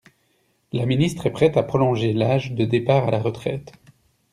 La ministre est prête à prolonger l’âge de départ à la retraite.